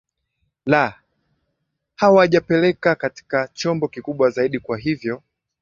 la hawajawapeleka katika chombo kikubwa zaidi kwa hivyo